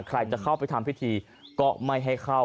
ใครจะเข้าไปทำพิธีก็ไม่ให้เข้า